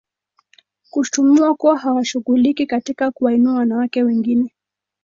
Kushtumiwa kuwa hawashughuliki katika kuwainua wanawake wengine